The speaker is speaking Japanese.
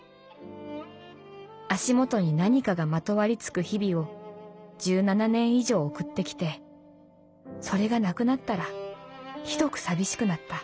足元に『何か』がまとわりつく日々を１７年以上送ってきてそれがなくなったらひどく寂しくなった。